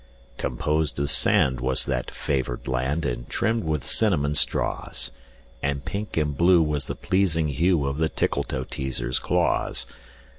Composed of sand was that favored land, And trimmed with cinnamon straws; And pink and blue was the pleasing hue Of the Tickletoeteaser's claws.